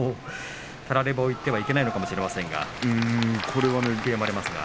たらればを言ってはいけないのかもしれませんが悔やまれますが。